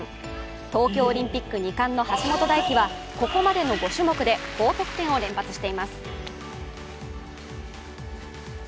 東京オリンピック２冠の橋本大輝はここまでの５種目で高得点を連発しています。